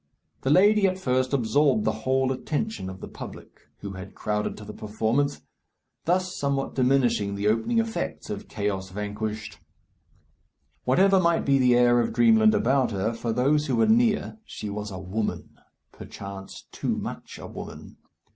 The lady at first absorbed the whole attention of the public, who had crowded to the performance, thus somewhat diminishing the opening effects of "Chaos Vanquished." Whatever might be the air of dreamland about her, for those who were near she was a woman; perchance too much a woman.